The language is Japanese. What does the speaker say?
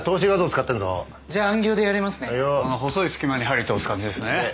この細い隙間に針通す感じですね。